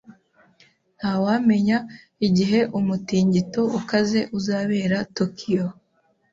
Ntawamenya igihe umutingito ukaze uzabera Tokiyo.